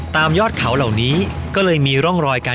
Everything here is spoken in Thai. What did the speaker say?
ยอดเขาเหล่านี้ก็เลยมีร่องรอยการ